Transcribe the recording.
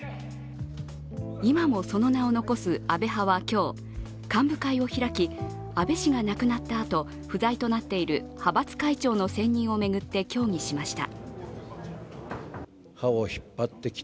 今もその名を残す安倍派は今日、幹部会を開き、安倍氏が亡くなったあと不在となっている派閥会長の選任を巡って協議しました。